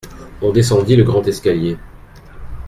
On descendit le grand escalier.